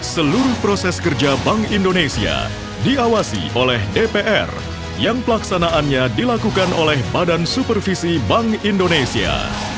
seluruh proses kerja bank indonesia diawasi oleh dpr yang pelaksanaannya dilakukan oleh badan supervisi bank indonesia